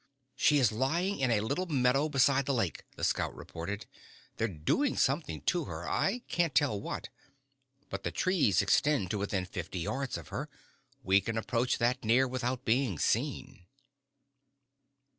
"She is lying in a little meadow beside the lake," the scout reported. "They're doing something to her. I can't tell what. But the trees extend to within fifty yards of her. We can approach that near without being seen."